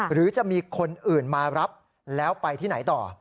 หรือจะมีคนอื่นมารับแล้วไปที่ไหนต่อ